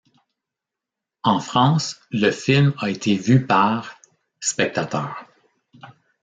En France, le film a été vu par spectateurs.